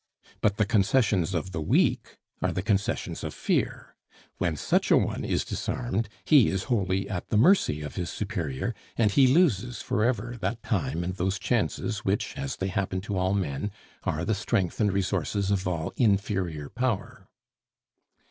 But the concessions of the weak are the concessions of fear. When such a one is disarmed, he is wholly at the mercy of his superior, and he loses forever that time and those chances which, as they happen to all men, are the strength and resources of all inferior power.